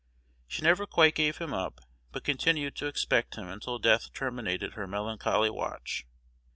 She never quite gave him up, but continued to expect him until death terminated her melancholy watch.